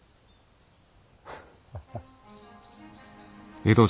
フッハハ。